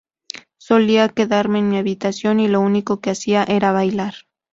Solía quedarme en mi habitación y lo único que hacía era bailar".